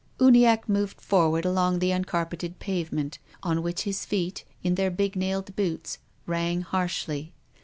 Uniaclce moved forward along the uncarpcted pavement, on which his feet, in their big nailed boots, rang harshly.